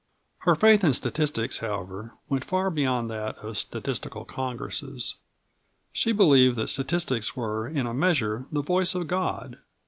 Her faith in statistics, however, went far beyond that of statistical congresses. She believed that statistics were in a measure the voice of God.